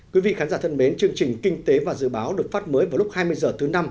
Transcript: quý vị khán giả thân mến chương trình kinh tế và dự báo được phát mới vào lúc hai mươi h thứ năm